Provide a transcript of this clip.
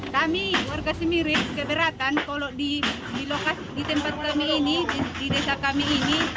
kami warga sendiri keberatan kalau di tempat kami ini di desa kami ini